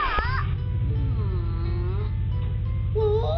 うんおおっ！